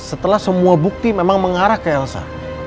setelah semua bukti memang mengarah ke elsa